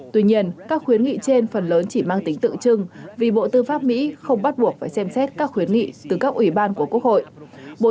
tuy nhiên các khuyến nghị trên phần lớn chỉ mang tính tượng trưng vì bộ tư pháp mỹ không bắt buộc phải xem xét các khuyến nghị từ các ủy ban của quốc hội